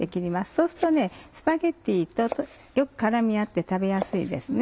そうするとスパゲティとよく絡み合って食べやすいですね。